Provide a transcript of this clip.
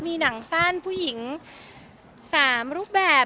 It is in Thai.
มีหนังสั้นผู้หญิง๓รูปแบบ